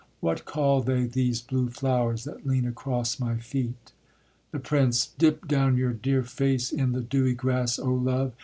What call they these blue flowers that lean across my feet? THE PRINCE. Dip down your dear face in the dewy grass, O love!